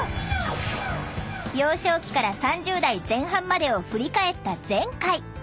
幼少期から３０代前半までを振り返った前回。